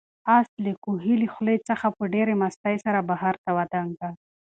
آس د کوهي له خولې څخه په ډېرې مستۍ سره بهر ته ودانګل.